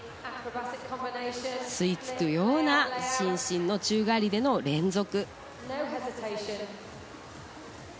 吸いつくような伸身の宙返りでの連続。